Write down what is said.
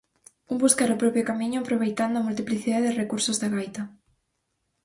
Un buscar o propio camiño aproveitando a multiplicidade de recursos da gaita.